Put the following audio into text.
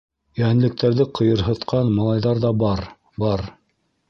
Йәнлектәрҙе ҡыйырһытҡан малайҙар ҙа барр, барр!